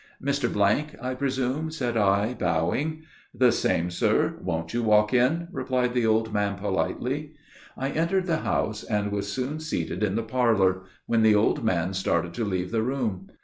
"Mr. , I presume?" said I, bowing. "The same, sir; won't you walk in?" replied the old man, politely. I entered the house, and was soon seated in the parlor, when the old man started to leave the room.